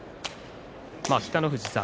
北の富士さん